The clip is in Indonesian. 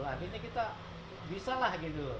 abis itu kita bisa lah